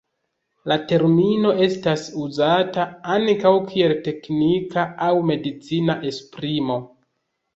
La termino estas uzata ankaŭ kiel teknika aŭ medicina esprimo.